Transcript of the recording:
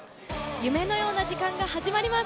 夢のような時間が始まります。